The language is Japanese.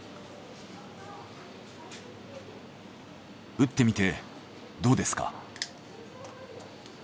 打ってみてどうですか？